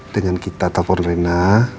dengan kita telfon rena